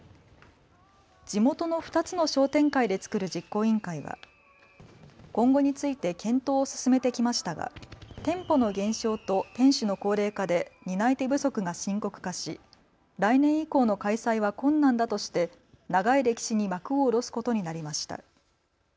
地元の２つの商店会で作る実行委員会は今後について検討を進めてきましたが店舗の減少と店主の高齢化で担い手不足が深刻化し来年以降の開催は困難だとして長い歴史に幕を下ろすことになりました。